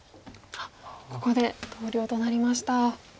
ここで投了となりました。